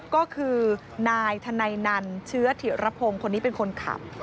ก็คือนายธนัยนันเชื้อถิระพงศ์คนนี้เป็นคนขับ